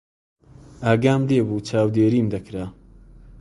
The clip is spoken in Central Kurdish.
ئاگام لێ بوو چاودێریم دەکرا.